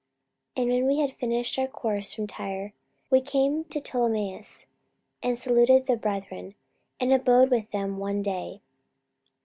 44:021:007 And when we had finished our course from Tyre, we came to Ptolemais, and saluted the brethren, and abode with them one day.